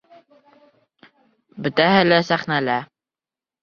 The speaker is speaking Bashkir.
Бөтәһе лә сәхнәлә.